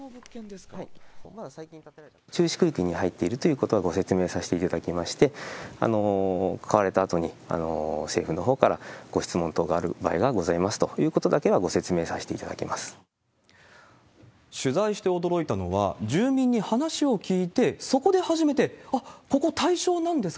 注視区域に入っているということはご説明させていただきまして、買われたあとに、政府のほうからご質問等がある場合がございますということだけは取材して驚いたのは、住民に話を聞いて、そこで初めて、あっ、ここ対象なんですか？